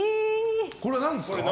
これは何ですか？